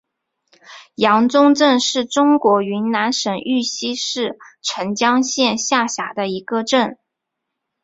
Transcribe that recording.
阳宗镇是中国云南省玉溪市澄江县下辖的一个镇。